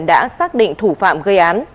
đã xác định thủ phạm gây án